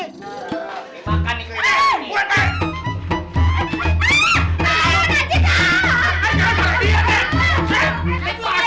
ini makan nih kelilipan ini